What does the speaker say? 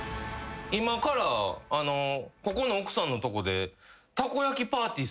今からここの奥さんのとこで。